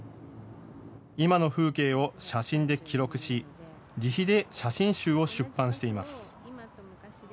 今の風景を写真で記録し自費で写真集を出版しています。